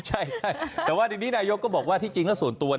ใช่แต่ว่าทีนี้นายกก็บอกว่าที่จริงแล้วส่วนตัว